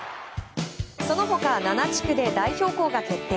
その他、７地区で代表校が決定。